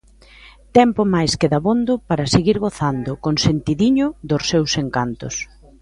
Tempo máis que dabondo para seguir gozando, con sentidiño, dos seus encantos.